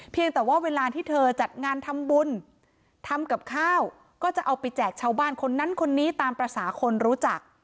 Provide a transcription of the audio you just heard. แต่ว่าเวลาที่เธอจัดงานทำบุญทำกับข้าวก็จะเอาไปแจกชาวบ้านคนนั้นคนนี้ตามภาษาคนรู้จัก